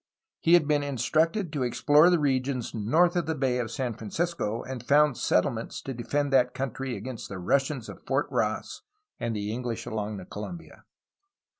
He had been instructed to explore the regions north of the Bay of San Francisco and found settlements to defend that country against the Russians of Fort Ross and the Enghsh along the Colombia.